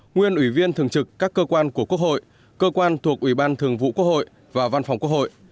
nguyên ủy viên thường trực các cơ quan của quốc hội cơ quan thuộc ủy ban thường vụ quốc hội và văn phòng quốc hội